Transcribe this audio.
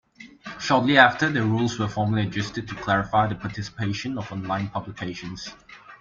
Shortly after, the rules were formally adjusted to clarify the participation of online publications.